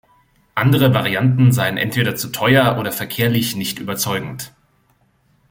Andere Varianten seien entweder zu teuer oder verkehrlich nicht überzeugend.